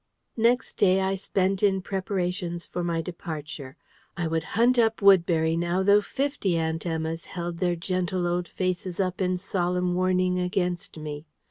Next day I spent in preparations for my departure. I would hunt up Woodbury now, though fifty Aunt Emma's held their gentle old faces up in solemn warning against me.